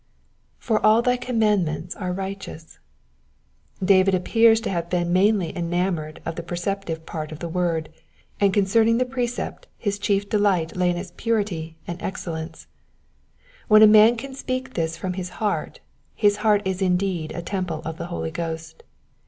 ^^Far aU thy commandments are righteous ness."^^ David appears to have been mainly enamoured of the preceptive part of the wora of God, and concerning the precept his chief delight lay m its purity and excellence. When ' a man can speak this from his heart, his heart is indeed a temple of the Holy Ghost.